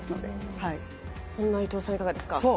そんな伊藤さん、いかがですそう、